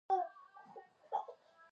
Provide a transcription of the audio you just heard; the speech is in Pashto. چې دوی غربي اروپا ته تیرول.